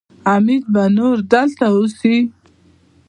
حميد به نور دلته اوسي.